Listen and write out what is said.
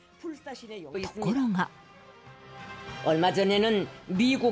ところが。